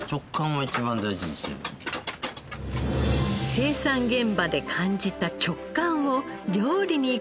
生産現場で感じた直感を料理に生かす奥田シェフ。